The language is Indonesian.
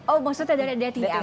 oh maksudnya dari dating apps